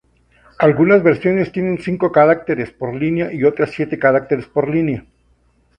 Algunas versiones tienen cinco caracteres por línea y otras siete caracteres por línea.